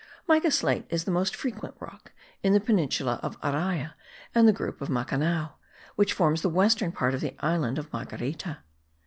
Mica slate is the most frequent rock in the peninsula of Araya and the group of Macanao, which forms the western part of the island of Marguerita.